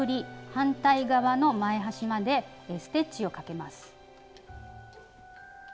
反対側の前端までステッチをかけます。